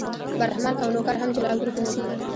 برهمن او نوکر هم جلا ګروپونه دي.